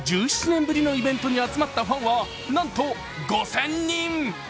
１７年ぶりのイベントに集まったファンは、なんと５０００人。